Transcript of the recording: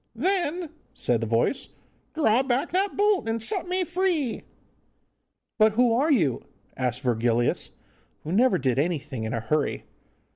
'Then,' said the voice, 'draw back that bolt, and set me free.' 'But who are you?' asked Virgilius, who never did anything in a hurry.